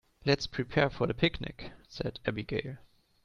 "Let's prepare for the picnic!", said Abigail.